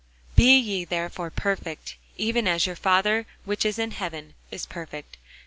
Be ye therefore perfect, even as your Father which is in heaven is perfect.